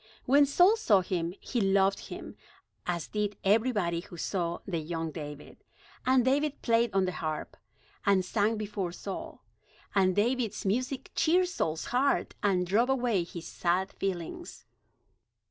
When Saul saw him, he loved him, as did everybody who saw the young David. And David played on the harp, and sang before Saul. And David's music cheered Saul's heart, and drove away his sad feelings.